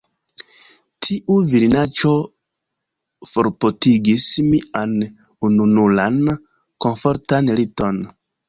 Tiu virinaĉo forportigis mian ununuran komfortan liton.